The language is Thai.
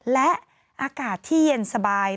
และอากาศที่เย็นสบาย